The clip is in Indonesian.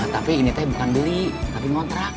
tapi ini bukan beli tapi kontrak